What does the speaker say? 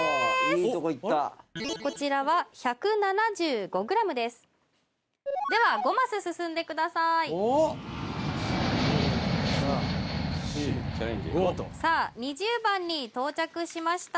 いいとこいったこちらは１７５グラムですでは５マス進んでくださいさあ２０番に到着しました